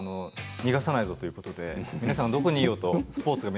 逃がさないぞということで皆さん、どこにいようと。